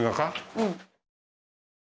うん。